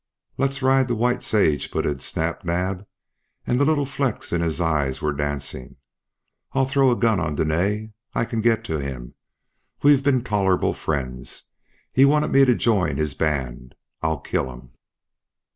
"Let's ride to White Sage," put in Snap Naab, and the little flecks in his eyes were dancing. "I'll throw a gun on Dene. I can get to him. We've been tolerable friends. He's wanted me to join his band. I'll kill him."